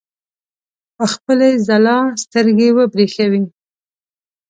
په خپلې ځلا سترګې وبرېښوي.